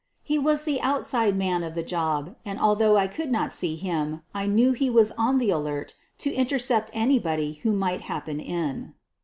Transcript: He was the "outside man" of the job and, although I could not see him, I knew he was on the alert to intercept anybody who might happen in.